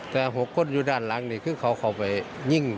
แต่๖คนอยู่ด้านหลังนี่คือเขาเข้าไปยิง